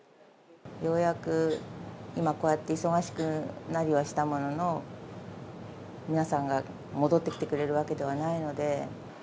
ようやく今、こうやって忙しくなりはしたものの、皆さんが戻ってきてくれるわけではないので。